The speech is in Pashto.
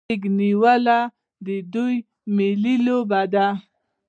غیږ نیول د دوی ملي لوبه ده.